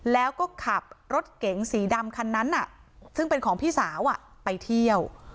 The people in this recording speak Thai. แล้วก็ขับรถเก๋งสีดำคันนั้นซึ่งเป็นของพี่สาวไปเที่ยว